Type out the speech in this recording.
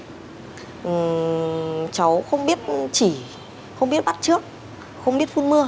cháu không biết chỉ không biết bắt trước không biết phun mưa